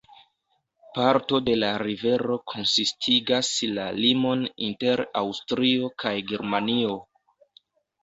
Parto de la rivero konsistigas la limon inter Aŭstrio kaj Germanio.